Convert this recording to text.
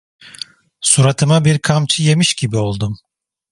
Suratıma bir kamçı yemiş gibi oldum.